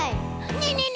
ねえねえね